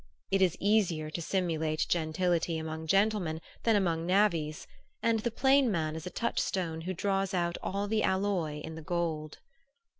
It is easier to simulate gentility among gentlemen than among navvies; and the plain man is a touchstone who draws out all the alloy in the gold.